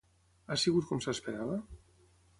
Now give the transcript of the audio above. Ha sigut com s'esperava?